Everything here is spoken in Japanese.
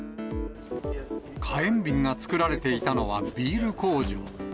火炎瓶が作られていたのは、ビール工場。